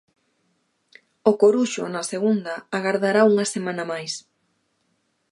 O Coruxo, na segunda agardará unha semana máis.